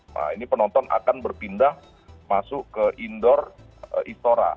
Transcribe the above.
nah ini penonton akan berpindah masuk ke indoor istora